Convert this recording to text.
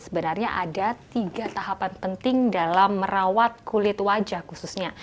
sebenarnya ada tiga tahapan penting dalam merawat kulit wajah khususnya